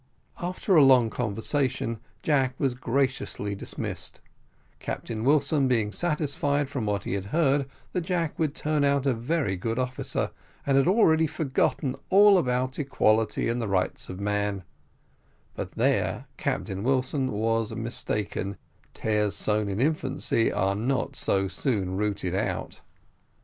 After a long conversation Jack was graciously dismissed, Captain Wilson being satisfied from what he had heard that Jack would turn out a very good officer, and had already forgotten all about equality and the rights of man; but there Captain Wilson was mistaken tares sown in infancy are not so soon rooted out.